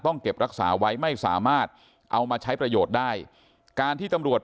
เก็บรักษาไว้ไม่สามารถเอามาใช้ประโยชน์ได้การที่ตำรวจ